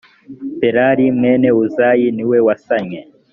palali mwene uzayi ni we wasannye